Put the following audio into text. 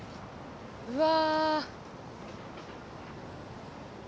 うわ。